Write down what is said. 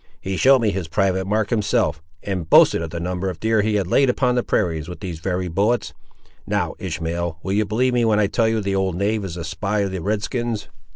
"He show'd me his private mark, himself, and boasted of the number of deer he had laid upon the prairies with these very bullets! Now, Ishmael, will you believe me when I tell you the old knave is a spy of the red skins?"